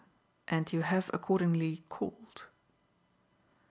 And you have accordingly called."